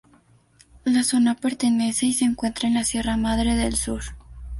La zona pertenece y se encuentra en la Sierra Madre del Sur.